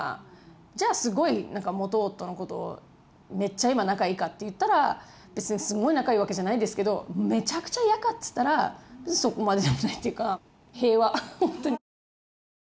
じゃあすごい元夫のことをめっちゃ今仲いいかっていったら別にすごい仲いいわけじゃないですけどめちゃくちゃ嫌かっつったらそこまででもないというか平和ほんとに。